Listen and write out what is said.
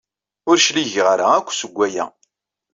Ur d-cligeɣ ara akk seg waya.